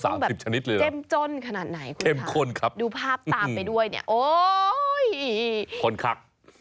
จะต้องแบบเจ็มจนขนาดไหนคุณครับดูภาพตามไปด้วยเนี่ยโอ๊ยยยยยยยยยยยยยยยยยยยยยยยยยยยคนครัก